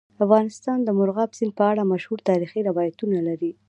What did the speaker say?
افغانستان د مورغاب سیند په اړه مشهور تاریخي روایتونه لري.